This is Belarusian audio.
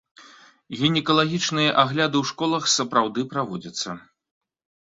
Гінекалагічныя агляды ў школах сапраўды праводзяцца.